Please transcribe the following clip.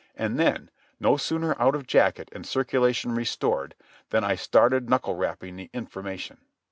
And then, no sooner out of jacket and circulation restored, than I started knuckle rapping the information.